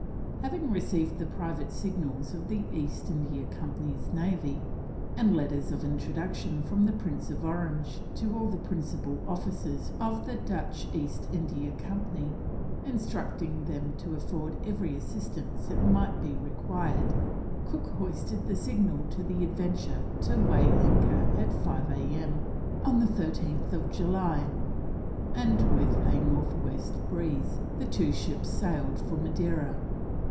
Having received the private signals of the East India Company's Navy, and letters of introduction from the Prince of Orange to all the principal officers of the Dutch East India Company, instructing them to afford every assistance that might be required, Cook hoisted the signal to the Adventure to weigh anchor at 5 A.M. on 13th July, and with a north west breeze the two ships sailed for Madeira.